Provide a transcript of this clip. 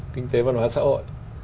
kinh tế văn hóa xã hội